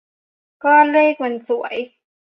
ก็เลขมันสวย